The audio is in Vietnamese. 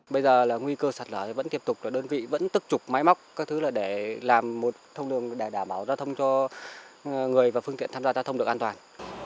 bây giờ là nguy cơ sạt lở vẫn tiếp tục là đơn vị vẫn tức trục máy móc các thứ là để làm một thông đường để đảm bảo giao thông cho người và phương tiện tham gia giao thông được an toàn